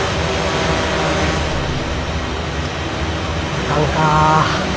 あかんか。